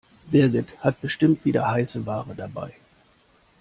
Birgit hat bestimmt wieder heiße Ware dabei.